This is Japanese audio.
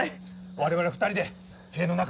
我々２人で塀の中に行きます。